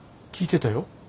聞いてたよ。